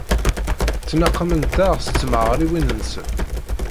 Ttnaqament-aɣ s tmeɣriwin-nsent.